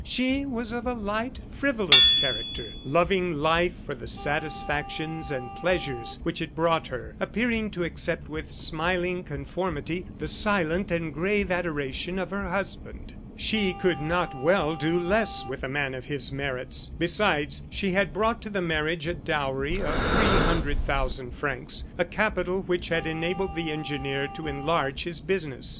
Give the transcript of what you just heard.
She was of a light, frivolous character, loving life for the satisfactions and pleasures which it brought her, appearing to accept with smiling conformity the silent and grave adoration of her husband. She could not well do less with a man of his merits. Besides, she had brought to the marriage a dowry of three hundred thousand francs, a capital which had enabled the engineer to enlarge his business.